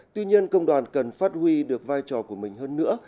tuy nhiên công đoàn cần phát huy được vai trò của mình hơn nữa